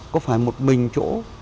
có phải một mình chỗ